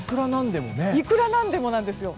いくらなんでもなんですよ。